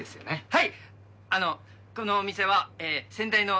はい！